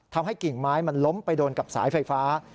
ทำให้กิ่งไม้มันล้มไปโดนกับสายไฟฟ้า